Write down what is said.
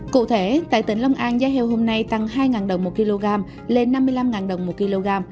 cụ thể tại tỉnh long an giá heo hôm nay tăng hai đồng một kg lên năm mươi năm đồng một kg